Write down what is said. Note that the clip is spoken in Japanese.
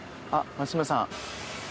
松島屋さん。